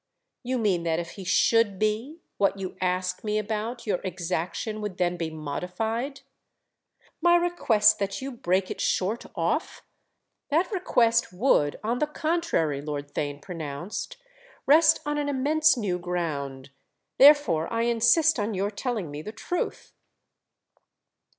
"You mean that if he should be—what you ask me about—your exaction would then be modified?" "My request that you break it short off? That request would, on the contrary," Lord Theign pronounced, "rest on an immense new ground. Therefore I insist on your telling me the truth."